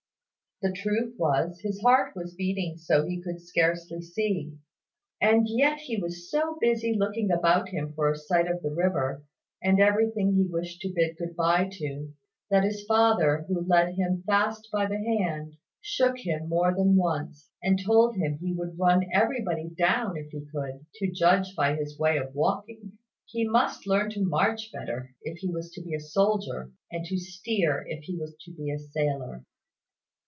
The truth was, his heart was beating so he could scarcely see: and yet he was so busy looking about him for a sight of the river, and everything he wished to bid good bye to, that his father, who held him fast by the hand, shook him more than once, and told him he would run everybody down if he could, to judge by his way of walking. He must learn to march better, if he was to be a soldier; and to steer, if he was to be a sailor.